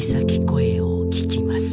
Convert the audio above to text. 声を聞きます